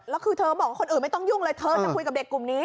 แล้วคือเธอบอกว่าคนอื่นไม่ต้องยุ่งเลยเธอจะคุยกับเด็กกลุ่มนี้